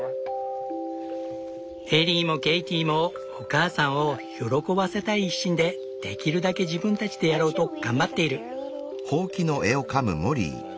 エリーもケイティもお母さんを喜ばせたい一心でできるだけ自分たちでやろうと頑張っている。